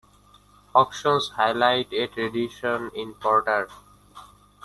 Auctions highlight a tradition in Porter.